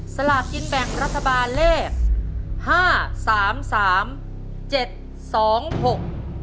สลากินแบ่งรัฐบาลเลข๕๓๓๗๒๖